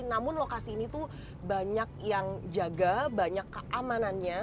namun lokasi ini tuh banyak yang jaga banyak keamanannya